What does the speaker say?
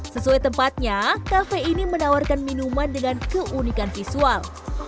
sesuai tempatnya kafe ini menawarkan minuman dengan keunikan visual